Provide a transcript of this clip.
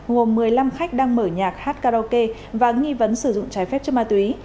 gồm một mươi năm khách đang mở nhạc hát karaoke và nghi vấn sử dụng trái phép chất ma túy